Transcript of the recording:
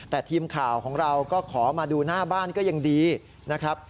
แต่ทีมข่าวของเราก็ขอมาดูหน้าบ้านก็ยังดีนะครับ